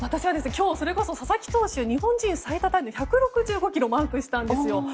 佐々木投手が日本人最多タイの１６５キロをマークしたんです。